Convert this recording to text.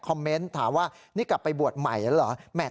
เมนต์ถามว่านี่กลับไปบวชใหม่แล้วเหรอ